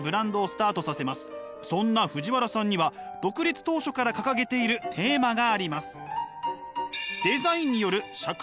そんな藤原さんには独立当初から掲げているテーマがあります。